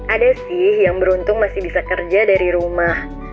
ada sih yang beruntung masih bisa kerja dari rumah